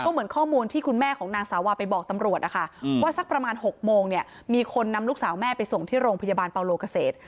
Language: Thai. เหมือนข้อมูลที่คุณแม่ของนางสาวาไปบอกตำรวจนะคะว่าสักประมาณ๖โมงเนี่ยมีคนนำลูกสาวแม่ไปส่งที่โรงพยาบาลเปาโลเกษตร